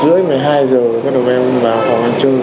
một mươi một h ba mươi một mươi hai h các đồng em vào phòng chơi